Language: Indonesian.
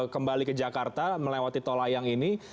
kembali ke jakarta melewati tol layang ini